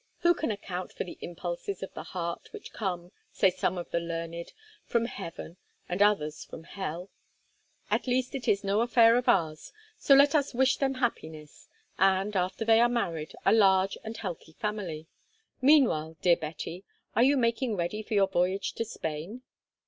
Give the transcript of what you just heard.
Who can account for the impulses of the heart, which come, say some of the learned, from heaven, and others, from hell? At least it is no affair of ours, so let us wish them happiness, and, after they are married, a large and healthy family. Meanwhile, dear Betty, are you making ready for your voyage to Spain?"